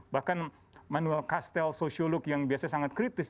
bahkan manual castel sosiolog yang biasanya sangat kritis